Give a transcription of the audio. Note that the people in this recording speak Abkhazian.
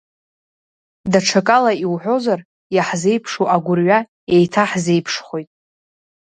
Даҽакала иуҳәозар, иаҳзеиԥшу агәырҩа еиҭаҳзеиԥшхоит.